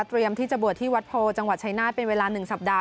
เตรียมที่จบวัดที่วัดโพจังหวัดชัยนาธิ์เป็นเวลาหนึ่งสัปดาห์